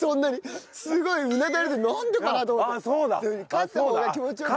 勝った方が気持ち良く。